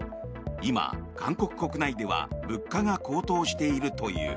今、韓国国内では物価が高騰しているという。